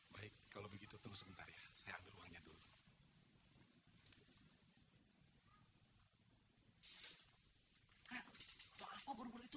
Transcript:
baik kalau begitu tunggu sebentar ya saya ambil uangnya dulu